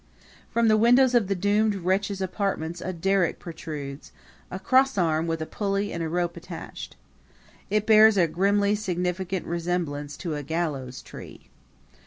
From the window of the doomed wretch's apartments a derrick protrudes a crossarm with a pulley and a rope attached. It bears a grimly significant resemblance to a gallows tree.